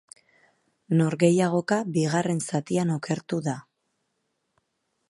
Norgehiagoka bigarren zatian okertu da.